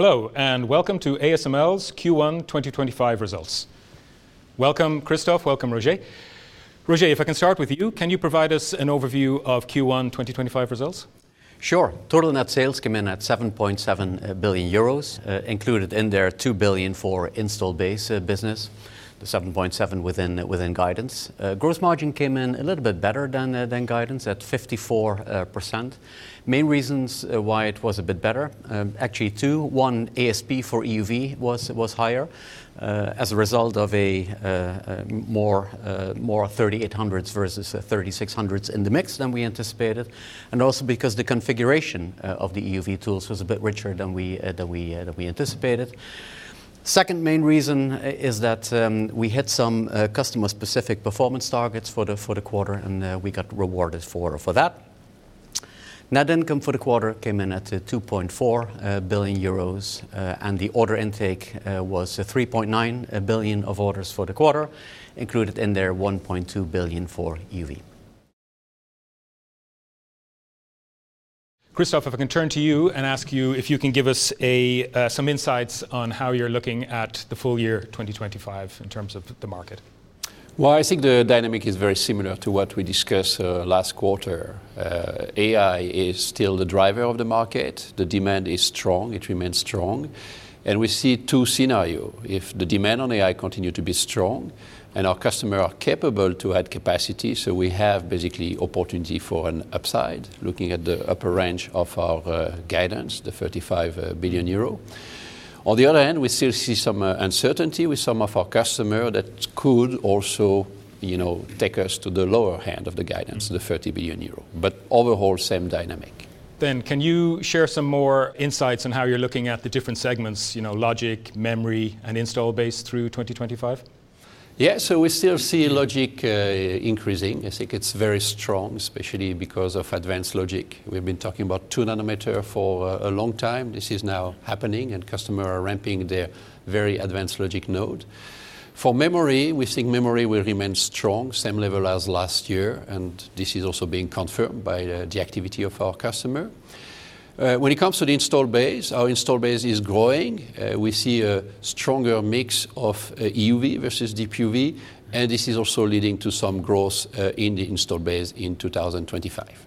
Hello, and welcome to ASML's Q1 2025 results. Welcome, Christophe, welcome, Roger. Roger, if I can start with you, can you provide us an overview of Q1 2025 results? Sure. Total net sales came in at 7.7 billion euros, included in there 2 billion for installed base business, the 7.7 within guidance. Gross margin came in a little bit better than guidance at 54%. Main reasons why it was a bit better, actually two. One, ASP for EUV was higher as a result of more 3800s versus 3600s in the mix than we anticipated. Also because the configuration of the EUV tools was a bit richer than we anticipated. Second main reason is that we hit some customer-specific performance targets for the quarter, and we got rewarded for that. Net income for the quarter came in at 2.4 billion euros, and the order intake was 3.9 billion of orders for the quarter, included in there 1.2 billion for EUV. Christophe, if I can turn to you and ask you if you can give us some insights on how you're looking at the full year 2025 in terms of the market. I think the dynamic is very similar to what we discussed last quarter. AI is still the driver of the market. The demand is strong. It remains strong. We see two scenarios. If the demand on AI continues to be strong and our customers are capable to add capacity, we have basically opportunity for an upside, looking at the upper range of our guidance, the 35 billion euro. On the other hand, we still see some uncertainty with some of our customers that could also take us to the lower end of the guidance, the 30 billion euro, but overall same dynamic. Can you share some more insights on how you're looking at the different segments, logic, memory, and installed base through 2025? Yeah, so we still see logic increasing. I think it's very strong, especially because of advanced logic. We've been talking about 2nm for a long time. This is now happening, and customers are ramping their very advanced logic node. For memory, we think memory will remain strong, same level as last year, and this is also being confirmed by the activity of our customers. When it comes to the installed base, our installed base is growing. We see a stronger mix of EUV versus DUV, and this is also leading to some growth in the installed base in 2025.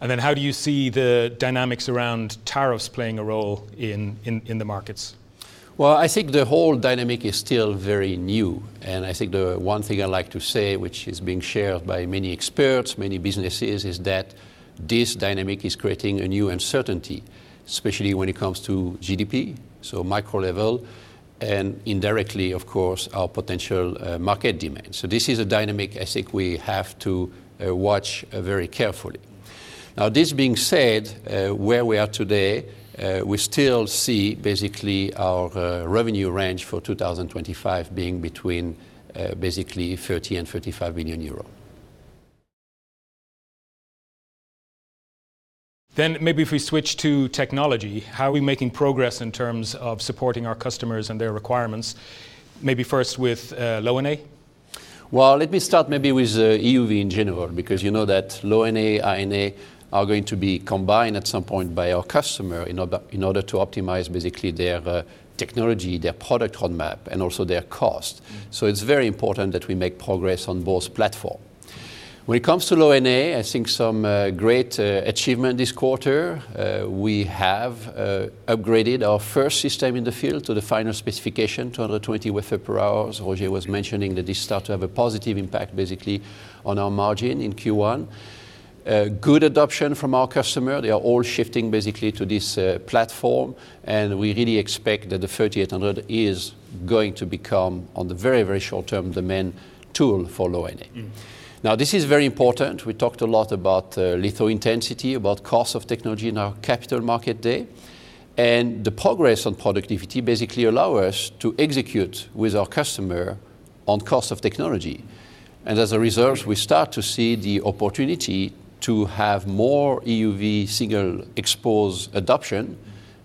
How do you see the dynamics around tariffs playing a role in the markets? I think the whole dynamic is still very new. I think the one thing I like to say, which is being shared by many experts, many businesses, is that this dynamic is creating a new uncertainty, especially when it comes to GDP, so micro level, and indirectly, of course, our potential market demand. This is a dynamic I think we have to watch very carefully. Now, this being said, where we are today, we still see basically our revenue range for 2025 being between 30 billion and 35 billion euro. Maybe if we switch to technology, how are we making progress in terms of supporting our customers and their requirements, maybe first with Low-NA? Let me start maybe with EUV in general, because you know that Low-NA and High-NA are going to be combined at some point by our customer in order to optimize basically their technology, their product roadmap, and also their cost. It is very important that we make progress on both platforms. When it comes to Low-NA, I think some great achievement this quarter. We have upgraded our first system in the field to the final specification, 220 wafers per hour. Roger was mentioning that this started to have a positive impact basically on our margin in Q1. Good adoption from our customers. They are all shifting basically to this platform, and we really expect that the 3800 is going to become, in the very, very short term, the main tool for Low-NA. This is very important. We talked a lot about litho-intensity, about cost of technology in our Capital Markets Day, and the progress on productivity basically allows us to execute with our customer on cost of technology. As a result, we start to see the opportunity to have more EUV single-exposure adoption,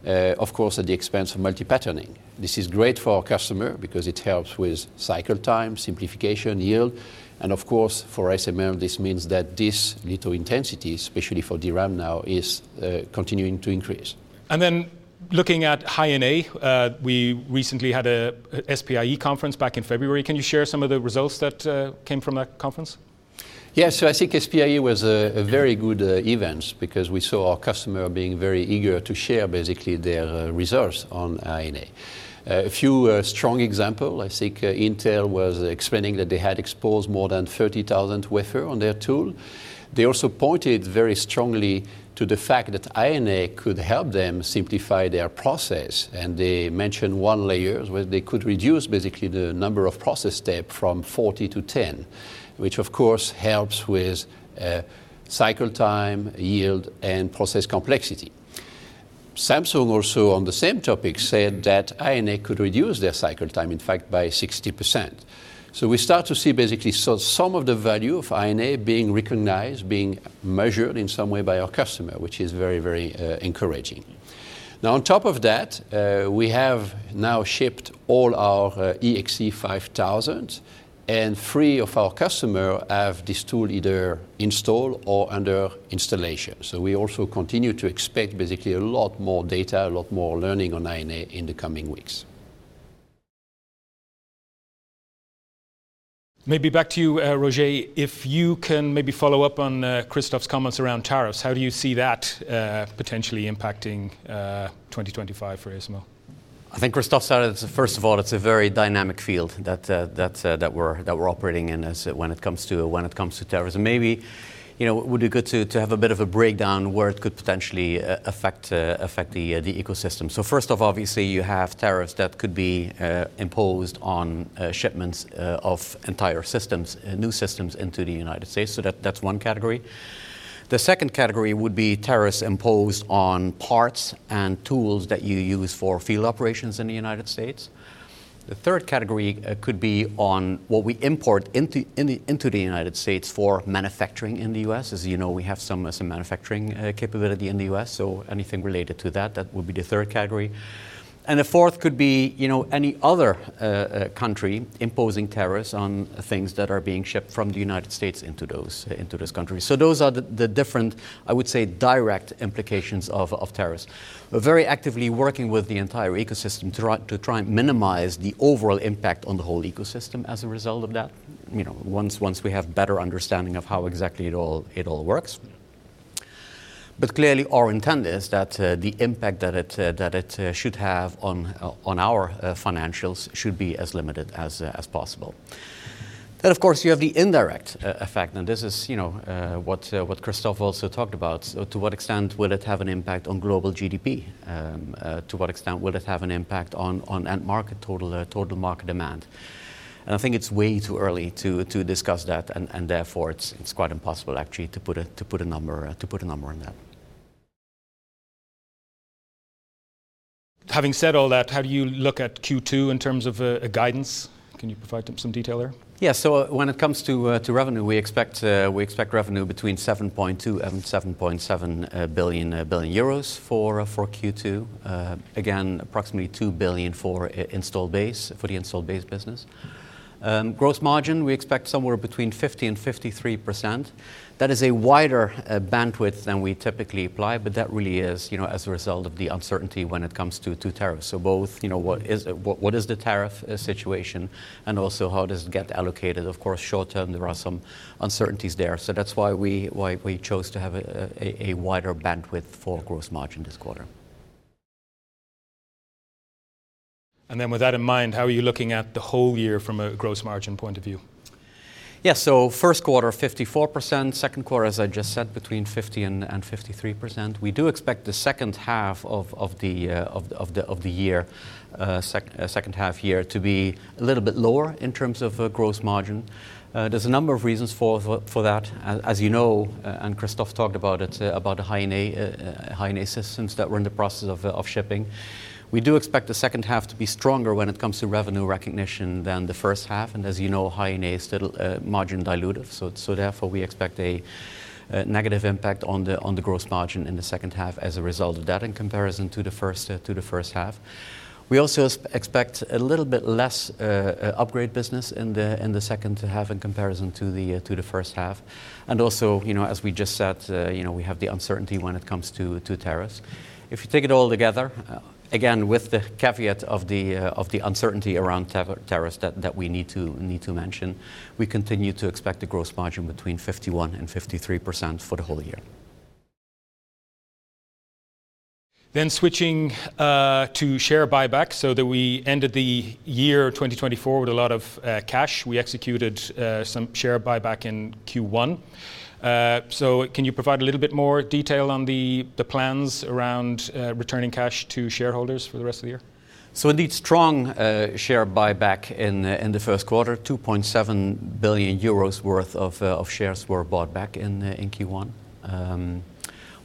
of course, at the expense of multi-patterning. This is great for our customer because it helps with cycle time, simplification, yield. Of course, for ASML, this means that this litho-intensity, especially for DRAM now, is continuing to increase. Looking at High-NA, we recently had an SPIE conference back in February. Can you share some of the results that came from that conference? Yes, I think SPIE was a very good event because we saw our customer being very eager to share basically their results on High-NA. A few strong examples, I think Intel was explaining that they had exposed more than 30,000 wafers on their tool. They also pointed very strongly to the fact that High-NA could help them simplify their process. They mentioned one layer where they could reduce basically the number of process steps from 40 to 10, which of course helps with cycle time, yield, and process complexity. Samsung also, on the same topic, said that High-NA could reduce their cycle time, in fact, by 60%. We start to see basically some of the value of High-NA being recognized, being measured in some way by our customer, which is very, very encouraging. Now, on top of that, we have now shipped all our EXE:5000, and three of our customers have this tool either installed or under installation. We also continue to expect basically a lot more data, a lot more learning on High-NA in the coming weeks. Maybe back to you, Roger. If you can maybe follow up on Christophe's comments around tariffs, how do you see that potentially impacting 2025 for ASML? I think Christophe said it's a, first of all, it's a very dynamic field that we're operating in when it comes to tariffs. Maybe it would be good to have a bit of a breakdown where it could potentially affect the ecosystem. First of all, obviously, you have tariffs that could be imposed on shipments of entire systems, new systems into the U.S. That's one category. The second category would be tariffs imposed on parts and tools that you use for field operations in the U.S. The third category could be on what we import into the U.S. for manufacturing in the U.S. As you know, we have some manufacturing capability in the U.S., so anything related to that, that would be the third category. The fourth could be any other country imposing tariffs on things that are being shipped from the United States into this country. Those are the different, I would say, direct implications of tariffs. We are very actively working with the entire ecosystem to try and minimize the overall impact on the whole ecosystem as a result of that, once we have a better understanding of how exactly it all works. Clearly, our intent is that the impact that it should have on our financials should be as limited as possible. Of course, you have the indirect effect, and this is what Christophe also talked about. To what extent will it have an impact on global GDP? To what extent will it have an impact on net market, total market demand? I think it's way too early to discuss that, and therefore it's quite impossible actually to put a number on that. Having said all that, how do you look at Q2 in terms of guidance? Can you provide some detail there? Yeah, so when it comes to revenue, we expect revenue between 7.2 billion and 7.7 billion euros for Q2. Again, approximately 2 billion for installed base, for the installed base business. Gross margin, we expect somewhere between 50% and 53%. That is a wider bandwidth than we typically apply, but that really is as a result of the uncertainty when it comes to tariffs. Both what is the tariff situation and also how does it get allocated. Of course, short term, there are some uncertainties there. That is why we chose to have a wider bandwidth for gross margin this quarter. With that in mind, how are you looking at the whole year from a gross margin point of view? Yeah, so first quarter, 54%. Second quarter, as I just said, between 50%-53%. We do expect the second half of the year, second half year, to be a little bit lower in terms of gross margin. There's a number of reasons for that. As you know, and Christophe talked about it, about the High-NA systems that were in the process of shipping. We do expect the second half to be stronger when it comes to revenue recognition than the first half. As you know, High-NA is still margin dilutive. Therefore, we expect a negative impact on the gross margin in the second half as a result of that in comparison to the first half. We also expect a little bit less upgrade business in the second half in comparison to the first half. Also, as we just said, we have the uncertainty when it comes to tariffs. If you take it all together, again, with the caveat of the uncertainty around tariffs that we need to mention, we continue to expect the gross margin between 51%-53% for the whole year. Switching to share buyback, we ended the year 2024 with a lot of cash, we executed some share buyback in Q1. Can you provide a little bit more detail on the plans around returning cash to shareholders for the rest of the year? Indeed, strong share buyback in the first quarter, 2.7 billion euros worth of shares were bought back in Q1.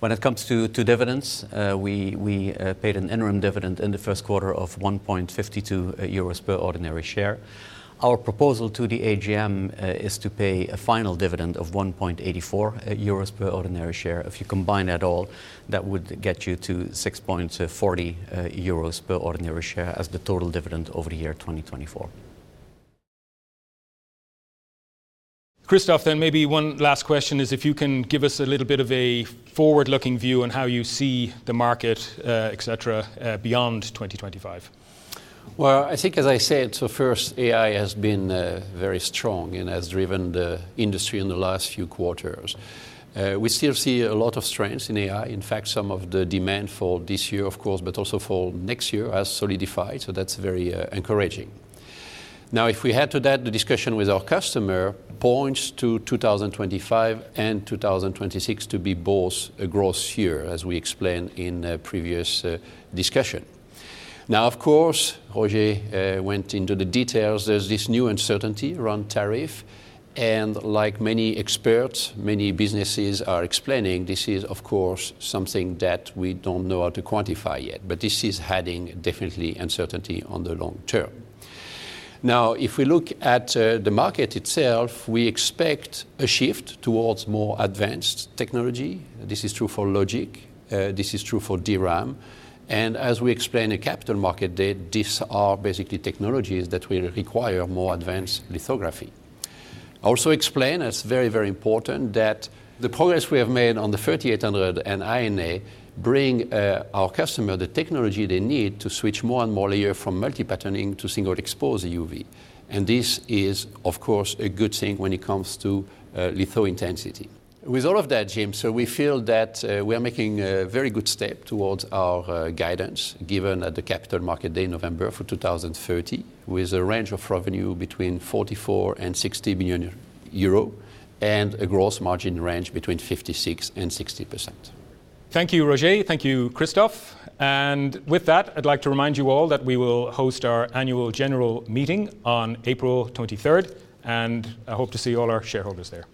When it comes to dividends, we paid an interim dividend in the first quarter of 1.52 euros per ordinary share. Our proposal to the AGM is to pay a final dividend of 1.84 euros per ordinary share. If you combine that all, that would get you to 6.40 euros per ordinary share as the total dividend over the year 2024. Christophe, maybe one last question is if you can give us a little bit of a forward-looking view on how you see the market, et cetera, beyond 2025. I think, as I said, first, AI has been very strong and has driven the industry in the last few quarters. We still see a lot of strength in AI. In fact, some of the demand for this year, of course, but also for next year has solidified. That is very encouraging. If we add to that, the discussion with our customer points to 2025 and 2026 to be both a growth year, as we explained in a previous discussion. Of course, Roger went into the details. There is this new uncertainty around tariff. Like many experts, many businesses are explaining, this is something that we do not know how to quantify yet, but this is definitely adding uncertainty on the long term. If we look at the market itself, we expect a shift towards more advanced technology. This is true for logic. This is true for DRAM. As we explained in Capital Markets Day, these are basically technologies that will require more advanced lithography. I also explain as very, very important that the progress we have made on the 3800 and High-NA bring our customer the technology they need to switch more and more layer from multi-patterning to single-exposure EUV. This is, of course, a good thing when it comes to litho-intensity. With all of that, Jim, we feel that we are making a very good step towards our guidance given at the Capital Market Day in November for 2030, with a range of revenue between 44 billion and 60 billion euro and a gross margin range between 56% and 60%. Thank you, Roger. Thank you, Christophe. With that, I'd like to remind you all that we will host our annual general meeting on April 23rd, and I hope to see all our shareholders there.